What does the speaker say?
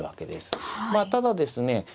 まあただですね